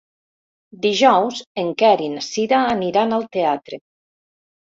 Dijous en Quer i na Cira aniran al teatre.